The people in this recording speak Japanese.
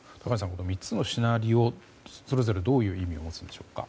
この３つのシナリオはそれぞれ、どういう意味を持つんでしょうか？